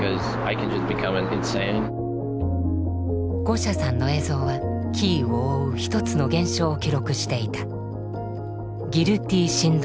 ゴシャさんの映像はキーウを覆う一つの現象を記録していた。